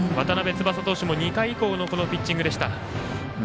翼投手も２回以降のピッチングでした。